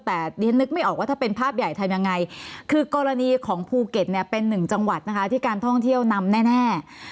แต่ดิฉันนึกไม่ออกว่าถ้าเป็นภาพใหญ่ทำยังไงคือกรณีของภูเก็ตเนี่ยเป็นหนึ่งจังหวัดนะคะที่การท่องเที่ยวนำแน่